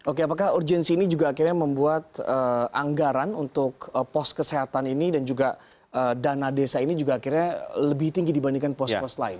oke apakah urgensi ini juga akhirnya membuat anggaran untuk pos kesehatan ini dan juga dana desa ini juga akhirnya lebih tinggi dibandingkan pos pos lain